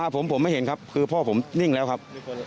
ผมไม่เห็นครับคือพ่อผมนิ่งแล้วครับ